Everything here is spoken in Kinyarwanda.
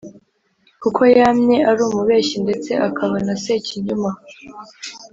kuko yamye ari umubeshyi, ndetse akaba na Sekinyoma.